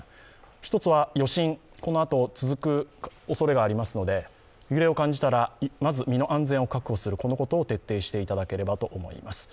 １つは余震、このあと続くおそれがありますので、揺れを感じたら、まず身の安全を確保することを徹底していただければと思います。